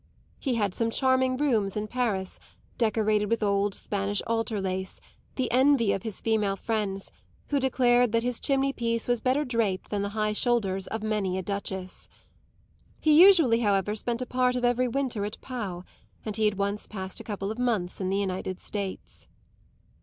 He had some charming rooms in Paris, decorated with old Spanish altar lace, the envy of his female friends, who declared that his chimney piece was better draped than the high shoulders of many a duchess. He usually, however, spent a part of every winter at Pau, and had once passed a couple of months in the United States.